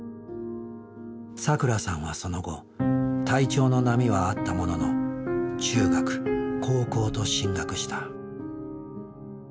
さくらさんはその後体調の波はあったものの中学高校と進学した。